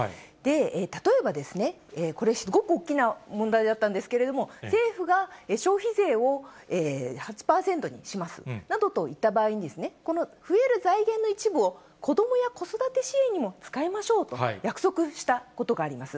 例えばですね、これ、すごく大きな問題だったんですけれども、政府が消費税を８％にしますなどといった場合に、この増える財源の一部を、子どもや子育て支援にも使いましょうと、約束したことがあります。